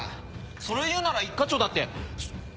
それを言うなら一課長だって。